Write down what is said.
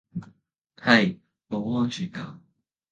係，冇安全感